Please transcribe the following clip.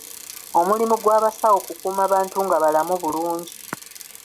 Omulimu gw’abasawo kukuuma bantu nga balamu bulungi.